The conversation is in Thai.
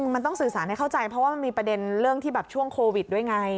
มันต้องสื่อสารให้เข้าใจเพราะว่ามันมีประเด็นเรื่องที่แบบช่วงโควิดด้วยไง